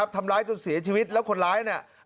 ทำร้ายจนเสียชีวิตแล้วคนร้ายเนี่ย